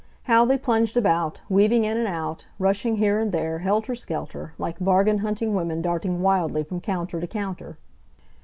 How they plunged about, weaving in and out, rushing here and there, helter skelter, like bargain hunting women darting wildly from counter to counter!